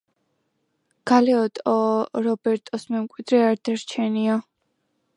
გალეოტო რობერტოს მემკვიდრე არ დარჩენია.